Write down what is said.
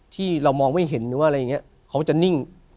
ที่เรามองไม่เห็นหรือว่าอะไรอย่างนี้เขาจะนิ่ง